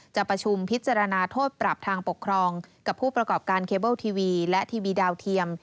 จะประชุมพิจารณาโทษปรับทางปกครองกับผู้ประกอบการเคเบิลทีวีและทีวีดาวเทียม